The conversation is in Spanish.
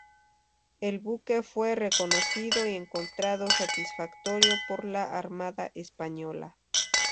El buque fue reconocido y encontrado satisfactorio por la Armada Española.